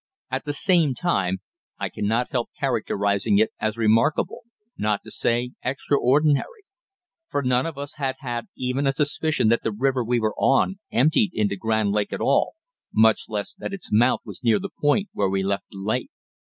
At the same time I cannot help characterising it as remarkable, not to say extraordinary; for none of us had had even a suspicion that the river we were on emptied into Grand Lake at all, much less that its mouth was near the point where we left the lake.